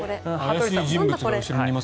怪しい人物が後ろにいます。